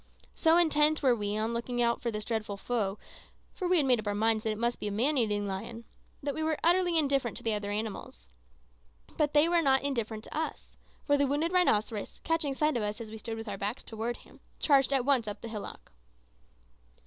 So intent were we on looking out for this dreadful foe for we had made up our minds that it must be a man eating lion that we were utterly indifferent to the other animals. But they were not indifferent to us; for the wounded rhinoceros, catching sight of us as we stood with our backs towards him, charged at once up the hillock.